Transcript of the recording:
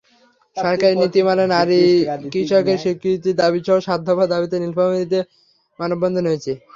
সরকারি নীতিমালায় নারী কৃষকের স্বীকৃতির দাবিসহ সাত দফা দাবিতে নীলফামারীতে মানববন্ধন হয়েছে।